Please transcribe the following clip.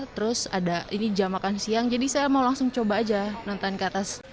terus ada ini jam makan siang jadi saya mau langsung coba aja nonton ke atas